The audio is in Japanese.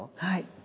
はい。